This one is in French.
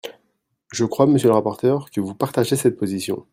Je crois, monsieur le rapporteur, que vous partagez cette position.